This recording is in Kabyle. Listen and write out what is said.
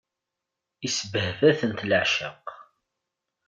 Isbehba-tent leɛceq.